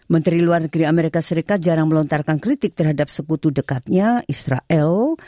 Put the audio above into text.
menteri luar negeri amerika serikat jarang melontarkan kritik terhadap sekutu dekatnya israel